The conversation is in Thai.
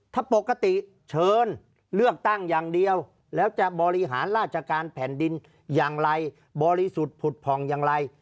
ถ้าปกติเชิญเลือกตั้งอย่างเดียวแล้วจะบริหารราชการแผ่นดินอย่างไรบริสุทธิ์ผุดผ่องอย่างไร